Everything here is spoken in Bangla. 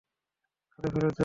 কাজে ফেরত যাও।